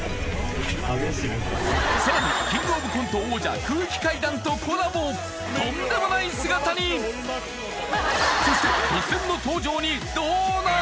さらにキングオブコント王者空気階段とコラボとんでもない姿にそして突然の登場にどうなる？